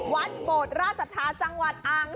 วัดโบดราชศาสตร์จังหวัดอ่างทอง